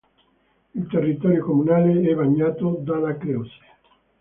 Il territorio comunale è bagnato dalla Creuse.